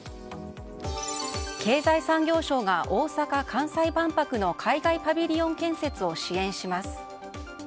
経済産業省が大阪・関西万博の海外パビリオン建設を支援します。